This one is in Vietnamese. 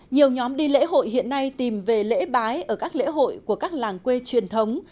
nhiều nhóm đi lễ hội hiện nay tìm về lễ bái ở các lễ hội của các làng quê truyền thống